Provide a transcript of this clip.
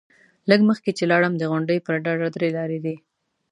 لږ مخکې چې لاړم، د غونډۍ پر ډډه درې لارې دي.